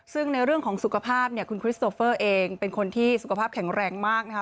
ซึ่งในเรื่องของสุขภาพเนี่ยคุณคริสโตเฟอร์เองเป็นคนที่สุขภาพแข็งแรงมากนะคะ